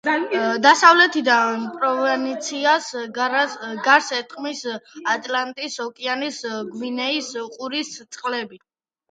დასავლეთიდან პროვინციას გარს ერტყმის ატლანტის ოკეანის გვინეის ყურის წყლები.